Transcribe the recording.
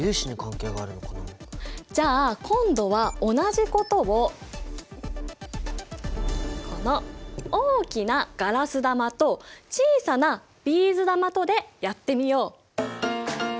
じゃあ今度は同じことをこの大きなガラス玉と小さなビーズ玉とでやってみよう。